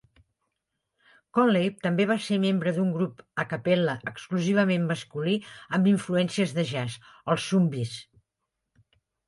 Conley també va ser membre d'un grup a cappella exclusivament masculí amb influències de jazz, els Zumbyes.